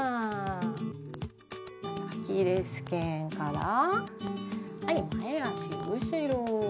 アキレス腱から前足後ろ。